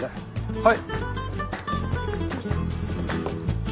はい。